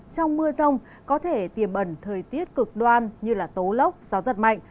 trong mưa rông có thể tiềm ẩn thời tiết cực đoan như tố lốc gió giật mạnh